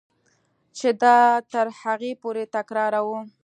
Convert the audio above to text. چې دا تر هغې پورې تکراروه.